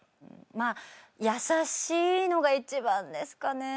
まぁ優しいのが一番ですかね。